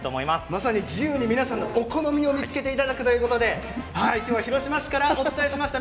まさに自由に皆さんのお好みを見つけていただくということできょうは広島市からお伝えしました。